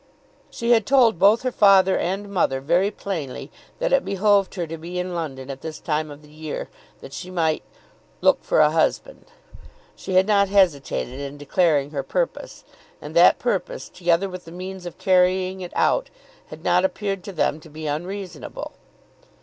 She had told both her father and mother very plainly that it behoved her to be in London at this time of the year that she might look for a husband. She had not hesitated in declaring her purpose; and that purpose, together with the means of carrying it out, had not appeared to them to be unreasonable.